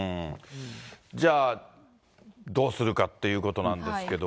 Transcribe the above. じゃあ、どうしようかっていうことなんですけども。